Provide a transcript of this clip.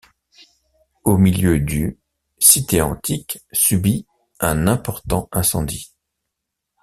Au milieu du cité antique subit un important incendie.